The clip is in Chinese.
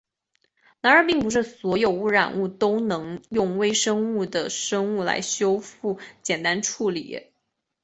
然而并不是所有的污染物都能用微生物的生物修复来简单处理。